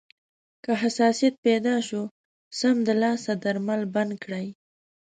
که حساسیت پیدا شو، سمدلاسه درمل بند کړئ.